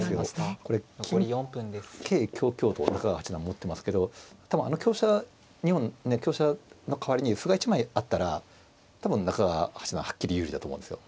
これ金桂香香と中川八段持ってますけど多分あの香車２本ね香車の代わりに歩が１枚あったら多分中川八段はっきり有利だと思うんですよ。